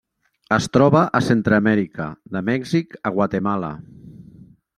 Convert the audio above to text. Es troba a Centreamèrica: de Mèxic a Guatemala.